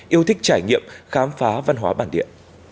yêu thích trải nghiệm khám phá văn hóa bản địa